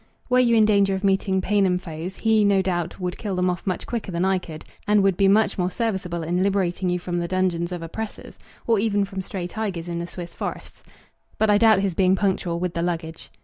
Were you in danger of meeting Paynim foes, he, no doubt, would kill them off much quicker than I could do, and would be much more serviceable in liberating you from the dungeons of oppressors, or even from stray tigers in the Swiss forests. But I doubt his being punctual with the luggage.